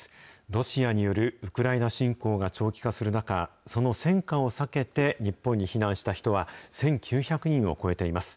ロシアによるウクライナ侵攻が長期化する中、その戦火を避けて日本に避難した人は１９００人を超えています。